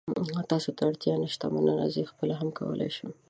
تاسو ته اړتیا نشته، مننه. زه یې خپله هم کولای شم.